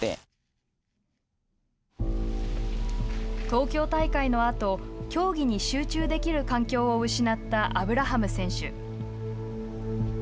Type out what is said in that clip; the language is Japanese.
東京大会のあと競技に集中できる環境を失ったアブラハム選手。